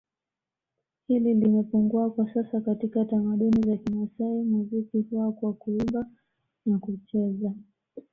hili limepungua kwa sasa katika tamaduni za Kimasai muziki huwa kwa Kuimba na kucheza